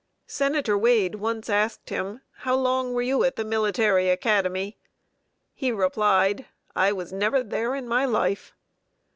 Senator Wade once asked him, "How long were you at the Military Academy?" He replied, "I was never there in my life."